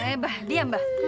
eh bah diam bah